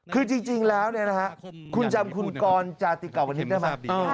คือจริงแล้วคุณจำคุณกรจาติกาวนิษฐ์ได้ไหม